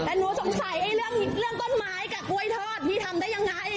แต่หนูสงสัยเรื่องต้นไม้กับกล้วยทอดพี่ทำได้ยังไง